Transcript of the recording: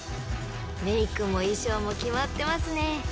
［メークも衣装も決まってますね］